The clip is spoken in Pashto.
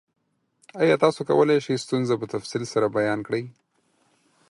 ایا تاسو کولی شئ ستونزه په تفصیل سره بیان کړئ؟